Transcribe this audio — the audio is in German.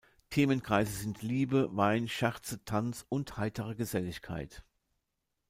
Themenkreise sind Liebe, Wein, Scherze, Tanz und heitere Geselligkeit.